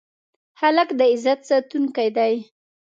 هلک د عزت ساتونکی دی.